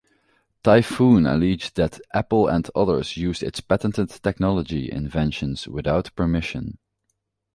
Typhoon alleged that Apple and others used its patented technology inventions without permission.